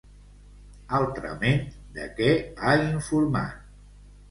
Altrament, de què ha informat?